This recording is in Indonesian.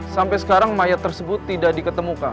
sampai sekarang mayat tersebut tidak diketemukan